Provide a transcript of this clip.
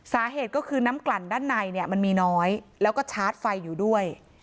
สาเหตุก็คือน้ำกลั่นด้านในเนี่ยมันมีน้อยแล้วก็ชาร์จไฟอยู่ด้วย